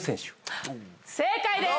正解です！